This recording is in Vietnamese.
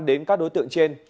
đến các đối tượng trên